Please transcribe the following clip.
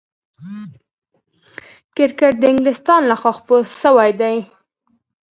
کرکټ د انګلستان له خوا خپور سوی دئ.